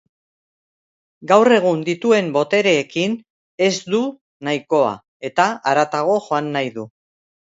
Gaur egun dituen botereekin ez du nahikoa, eta haratago joan nahi du.